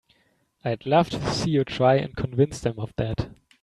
I'd love to see you try and convince them of that!